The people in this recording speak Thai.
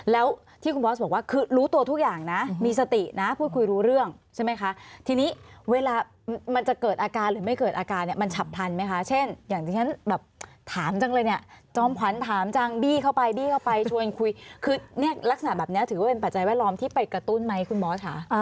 แล้วที่คุณบอสบอกว่าคือรู้ตัวทุกอย่างนะมีสตินะพูดคุยรู้เรื่องใช่ไหมคะทีนี้เวลามันจะเกิดอาการหรือไม่เกิดอาการเนี่ยมันฉับพลันไหมคะเช่นอย่างที่ฉันแบบถามจังเลยเนี่ยจอมขวัญถามจังบี้เข้าไปบี้เข้าไปชวนคุยคือเนี่ยลักษณะแบบนี้ถือว่าเป็นปัจจัยแวดล้อมที่ไปกระตุ้นไหมคุณบอสค่ะ